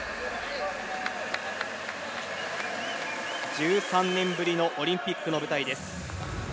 １３年ぶりのオリンピックの舞台です。